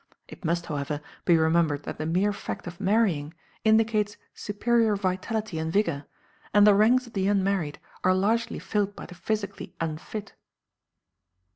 It must, however, be remembered that the mere fact of marrying indicates superior vitality and vigour, and the ranks of the unmarried are largely filled by the physically unfit.